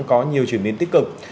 có nhiều chuyển biến tích cực